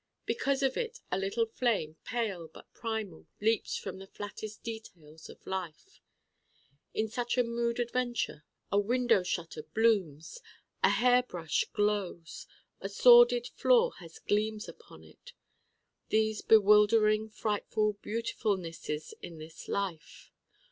Because of it a little flame, pale but primal, leaps from the flattest details of life. In such a mood adventure a window shutter blooms: a hair brush glows: a sordid floor has gleams upon it. These bewildering frightful beautifulnesses in this life